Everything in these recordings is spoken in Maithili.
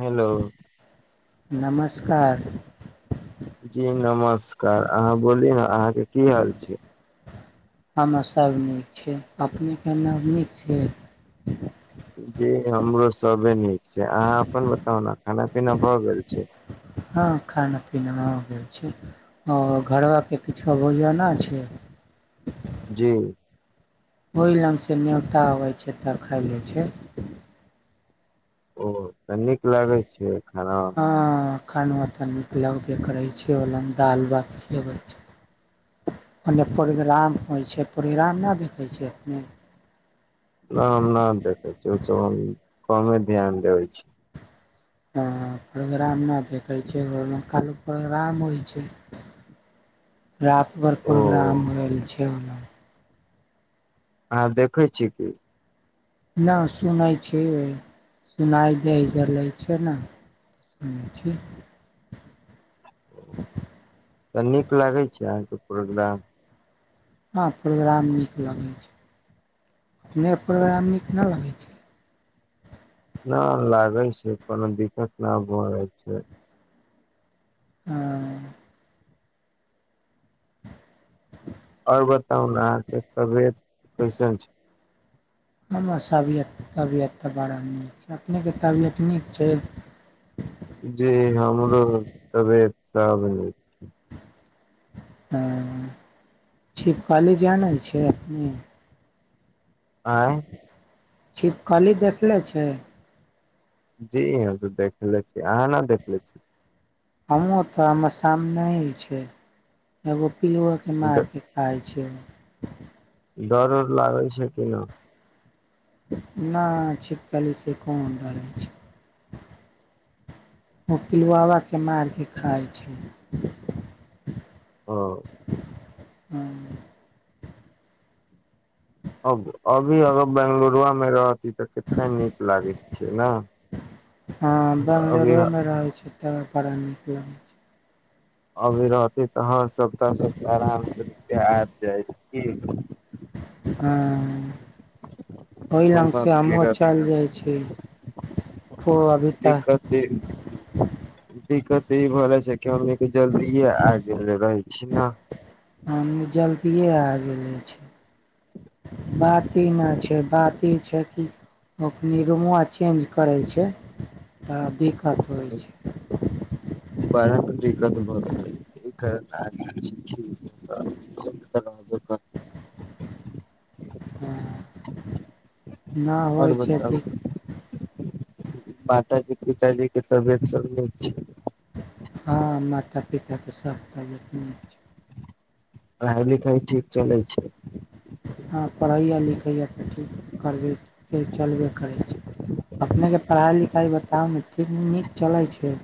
हेलो। नमस्कार! जी नमस्कार! अहाँ बोलली न अहाँके की हाल छै। हम्मे सभ नीक छि, अपनेकेमे नीक छि? जी हमरो सबे नीक छै, अहाँ अपन बताउ ने खाना -पीना भए गेल छै? हँ खाना- पीनामे हो गेल छै, आओ घरबाके पिछा भोजना छै। जी! ओहि लगसँ न्योता अबै छै तऽ, खाइ लै छै। ओ तऽ नीक लागै छैय। ह खानमे तऽ नीक लगबे करै छै, ओल दालि- भात खिबै छै, ओने प्रोग्राम होइ छै, प्रोग्राम नहि देखै छैियै अपने? न हम न देखै छ श कमे ध्यान देबै छिम्र हँ प्रोग्राम नहि देखै छि, ओ काल लोक प्रोग्राम होइ छै। रात भर ओ प्रोग्राम भेल छै। [unintelligible] आहा देखै छि कि? नहि सुनै छी सुनाइ देै छै ने, सुनैछी। तऽ नीक लागै छै, अहाँके प्रोग्राम? हँ प्रोग्राम नीक लगै छै, अपने प्रोग्राम नीक न लगै छै,। न लागै छै, कोनो दिक्कत न भ छै। हँ। अउर बताउना आहा के तबियत कैसन छै? हमर सबियत तबियत तऽ बड़ा नीक छै अपनेके तबियत नीक छै जी हमरो तबियत साबने छै। ह छिवकली जानै छिय अपने? आँय्। छिपकली देखने छै? जी हम त देखले छिय अहाँ ने देखले छी? हमो तऽ आमे सामने ह छै एगो। पिलुआ के ड- मार के खाइ अच्छा! डर उर लागै छै कि न? नहि छिपकलीसँ कोन डरै छै, ओ पिलुआव के मारि कऽ खाइ छै। ह। हँ। अब अभी अगर बेंगलुरुआमे रह तऽ कितना नीक लागै छै न हँ अभी। बंगलोरे मे रहै छै तऽ पढ़ा नीक लगै छै। अभी रहती तऽ हर सप्ताह सप्ताह आरामसँे आब जाय कि हाँ। घूमत फिरत जाइ छी ओ अ अभी तऽ दिक्कत इ दिक्कत इ भ जाय छै की, हमनी के जल्दीये आ गेल रही। छै न हमनी जल्दीये आ [unintelligible] छै, बात इ ने छै, बात इ छै कि, अपनी रूमो चेंज करै छै तऽ दे [unintelligible] बढ़त दिक्कत बहुत हय। [unintelligible] हाँ। न होय आओर छै बताउ अधिक। माताजी, पिताजी के तबियत सब नीक छै? हाँ माता पिताके सब तबियत नीक छै। पढ़ाय लिखाय ठीक चलै छै? हाँ पढ़ैया लिखैया ते ठीक करबे ठीक चलबे करै छै, अपनेके पढ़ाय लिखाय बताउ ने ठीक नीक चलै छै?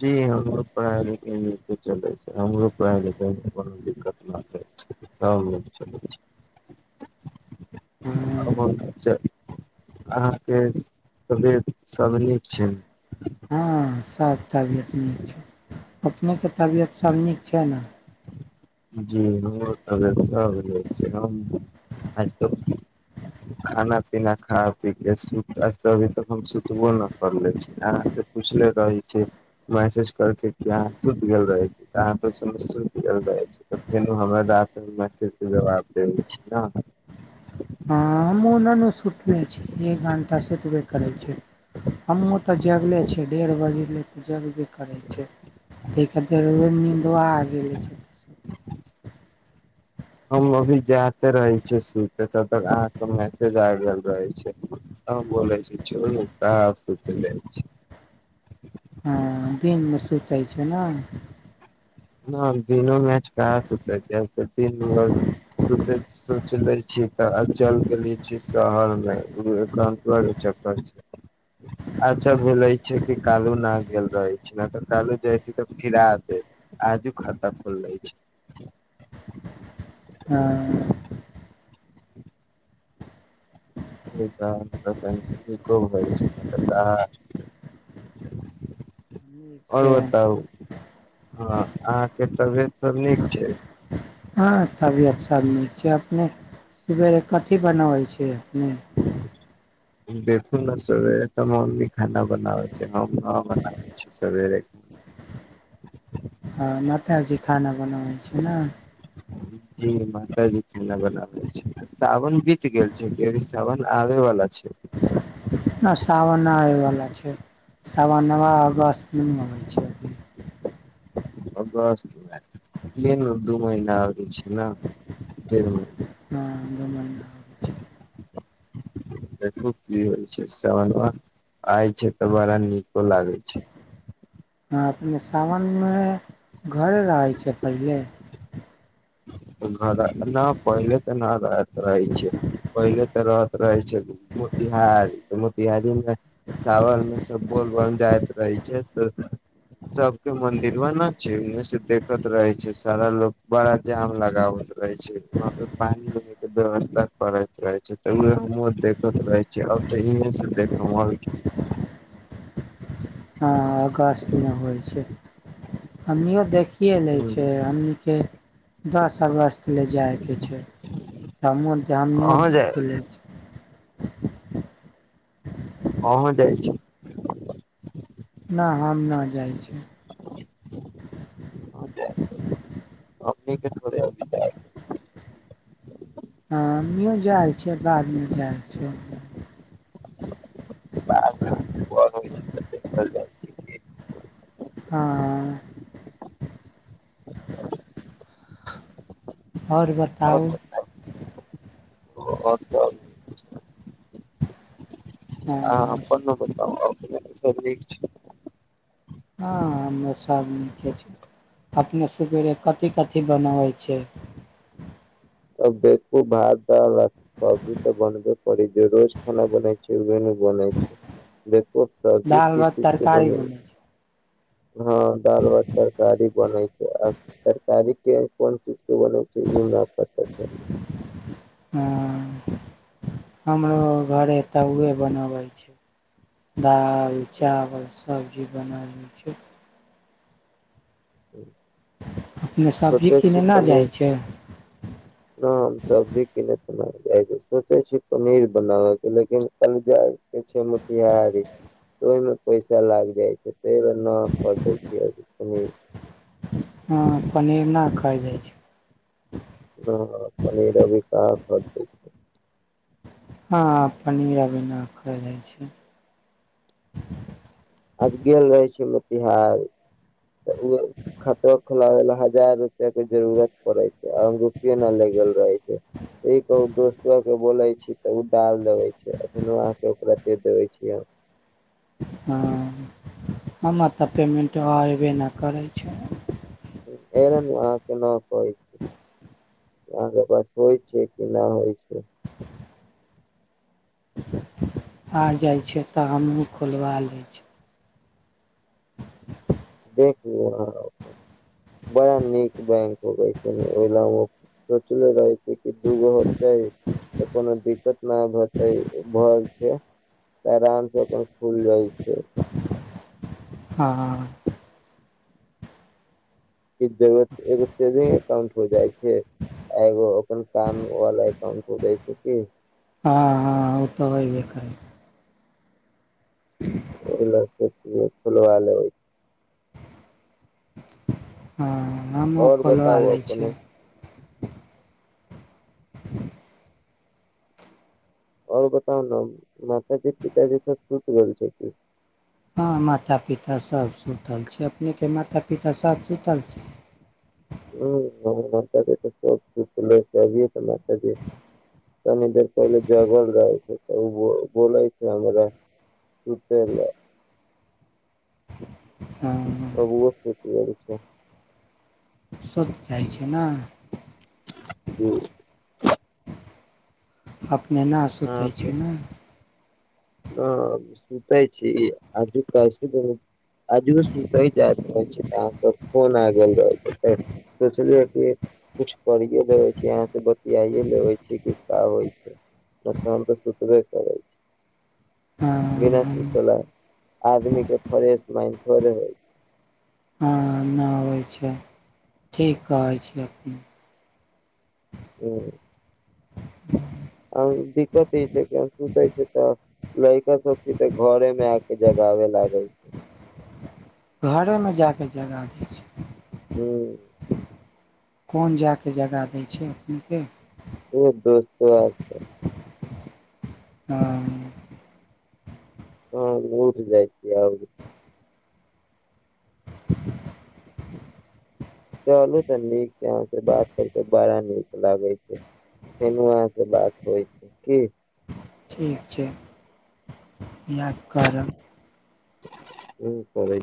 जी हमरो पढ़ाय नीके नीक से चले छै, हमरो पढ़ाय लिखायमे कोनो दिक्कत न छै, ठीके सब नीक चलै छै। हँ, आबो [unintelligible] अहाँके तबियत सब नीक छै ने? हाँ सब तबियत नीक छै, अपनेके तबियत सब नीक छै ने? जी हमर तबियत सब नीक छै, हम आजकल खाना पीना खा पी के सुत आज तो अभी तक हम सुतबो न करले छी, अहाँ से पुछले रहे छी मैसेज करके कि अहाँ सुत गेल रहे छी, अहाँ ते सु सुत गेल रहे छी। ते फेनो हमर रा [unintelligible] मैसेज के जवाब दे छै न। हाँ हमु ने ने सुतला छीये एक घंटा सुतबे करै छियै, हमु ते जगले छियै डेढ़ बजले ते जगबे करै छै ते खातिर रउवा नी दुआ गेले छै ते सुत हम अभी जाते रहै छियै सुते तब तक अहाँके मैसेज आ गेल रहै छै, अहाँ बोलै छी चलू कहाँ सुत जाय छै। हाँ दिनमे सुतै छै ने। हाँ दिनो मे आज कहां सुतै छिये, आज ते दिन भर सोचे सोचले छी। त अचल केले छीये शहर मे। उ एकरा मे पूरा रे चक्कर छै, अच्छा भेले छै कि कालू न गेल रहे छै न, ते कालू जेती ते फिरा दे। आजु खाता खुललै छै। हाँ। [inaudible] इ काम ते कनी नीको होय छै [unintelligible] नीक और छै बताउ हाँ। अहाँके तबियत सब नीक छै? हाँ तबियत सब नीक छै, अपने सबेरे कथी बनाबै छियै।? हुं। देखू ने सबेरे ते मम्मी खाना बनाबै छै, हम न बनाबे छीये सबेरे। हाँ माताजी खाना बनाबै छी ने। जी माताजी खना बनाबै छै, सावन बीत गेल छै की अभी सावन आबे वला छै? [inaudible] ना सावन ना आबेबला छै, सावनवा अगस्तमे अबै छै। अगस्तमे इहे न दू महिना आगे छै, न तीन दु महिना महिना आगे छै। देखु की होइ छै, सवनबा आइ छै तऽ, बरा नीको लागै छै। हँ, अपने सावनमे घरे रहै छै, पहिले ऊ खा ला। ना पहिले तऽ ना रहत रहे छे, पहिले तऽ रह रहै छेलिये, मोतिहारी त मोतिहारी मे सावन मे सब बोलबम जाइत रहे छै त, सब के मंदिरबा ना छै, ओमे से देखत रहे छै सारा लोग, बड़ा जाम लाग लगाबैत रहै छै, उहाँ पे पानि- उनी के व्यवस्था करैत रहै छै तऽ, उ हमु देखैत रहै छै, अब तऽ हियें से देखब, और की। हँ अगस्तमे होइ छै हमनियो देखि। येलैछै हमनीके। दस अगस्त। ले जाइ के छै [unintelligible] अहाँ जाय देखे लैछे। अहौं जाइ छै? ना हम न जाइ छी। हमनी के थोड़े अब जाय। हँ हमुँ जाय छियै, बादमे जाय छियै। [unintelligible] होइ छी त चल जाइ छी। हाँ। और बताऊ? हँ अहाँ अप्पन हँ न बताऊ अउर? यहाँ सब ठीक छै। हां, हम्मे सभ नीके छै, अपने सवेरे कथी -कथी बनाबै छै। [unintelligible] भात। दाल, भात, सब्जी तऽ बनबे करी जे रोज खाना बनई छैह, उहे नु बनई छै देखु सब्जी दाल की भात चीज के तरकारी बनई? बनै छै हँ दाल, भात, तरकारी बने छै, आ तरकारी के कोन चीज? के बनै छै, इना हँ। हमरो घरे त उहे बनबै छै दाल। चावल सब। ई बनाबै छै। ह। अपने सबजी किनयने पनीर जाइ छै? न हम सबजी कनेय तऽना जाइ छै, सोचै छी पनीर बनाबयके लेकिन कल जाइके छै मोतिहारी तऽ, ओहिमे पैसा लागि जाइ छै, ताहि नहि खरीदै छिय अभी पनीर। हँ पनीर नहि खट दै छै। ह पनीर अभी सा हो जा छै। हँ पनीर बिीना खा जाइ छै। आज गेल रहै छै मोतिहार। ऽ ओ खातर खोलाब ल। हजार रुपआ के जरूरत पड़े छै आ रुपे न लगल रहे छै ई कहू दोस्तो के बोले छी। तऽ ओ डाल देबे छै फेर अहाँके ओकरा। देबै छीिय हम। हँ हम तऽ पेमेंट अयबे नहि करै छै। अहाँके न कहै छै अहाँके पास होइ छै कि नहि होइ छै। आर जाइ छै तऽ हमूँ खोलवा लै छै। देखू बड़ा नीक बैंक हो छै ओहि ल सोचले रहै छै कि दगो कोनो दिक्कत। ना भतै भऽ छै। आरामसँ अपन खुल जाइ छै। हँ। ई जरूत एगो सेविंग एकाउंट हो जाइ छै। एगो ओन काम वाला एकाउंट खोजै छै की। हँ हँ ओ तऽ होहिएै। ओल खुलबा लै। हँ नामो आओर खोलबा बताउ लै छै। अपने ह। आओर बताउ ने मातााजी पिताजीसँ शत गेल छै क। हँ माता पिताभ सुतल छै अपनेके माता पिताभ सुतल छै। ह जी त सब सत लै छै अभिय तऽ जी तनि देर पहिल जगल रहै छै त बोलाय छै हमरा सूत। हँ। अबु शकल छै। सोति जाइ छै ने। ह। आ। नेना सुतै छै ने। ह सुतै छी आजू कैसे द आजू सुतै जाइत रहै छी तऽ अहाँके फोन आ गेल रहै छै सोचलियै कि किछु करिए लेबै छी अहाँसँ बतियाइए लेबै छी क कबै छै नहि तऽ हम तऽ सुतबे करै छी। विना हँ सुचल। आदमी के फ्रेश माइ थोड़े होइ छै। हँ नहि होबइ छै ठीक कहै छी अपने। ह। [unintelligible] आ दिक्कत ई छै सुते छै तऽ लड़का सब छै तऽ घरे मे आके जगाबे लागे छै। घरेमे जा क जगह द छै। ह्म। कोन जाय कऽ जगह दै छै अपनीकेँ। एक दोस्ते आ छै। हँ। हँ उठि जाइ छी आर। चलू तऽ नीक छै अहाँ से बात करके बड़ा नीक लागै छै फेर अहाँ से बात होइ छै की। ठीक छै इएह कारण। हं।